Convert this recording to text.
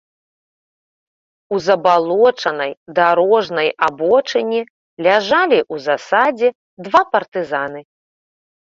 У забалочанай дарожнай абочыне ляжалі ў засадзе два партызаны.